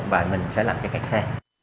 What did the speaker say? và mình sẽ làm cho các xe